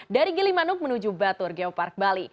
dari gili manuk menuju batur geopark bali